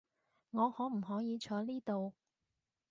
我可唔可以坐呢度？